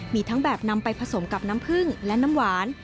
มีทั้งแบบนำไปผสมกับน้ำผึ้งและน้ำหวาน